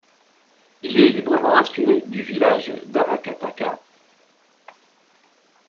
Il est librement inspiré du village d'Aracataca.